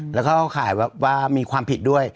แล้วก็เข้าข่ายว่ามีความผิดด้วย